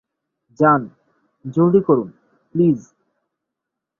যান, জলদি করুন, প্লিজ!